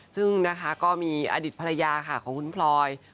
ซึ่งนะคะก็มีอดีตภรรยาค่ะของคุณพลอย